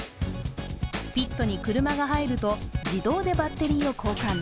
ピットに車が入ると、自動でバッテリーを交換。